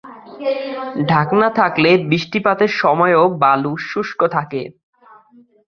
ঢাকনা থাকলে বৃষ্টিপাতের সময়ও বালু শুষ্ক থাকে।